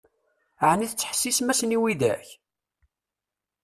Ɛni tettḥessisem-asen i widak?